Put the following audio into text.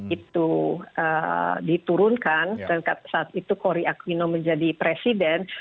itu diturunkan dan saat itu cory aquino menjadi presiden